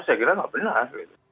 saya kira tidak benar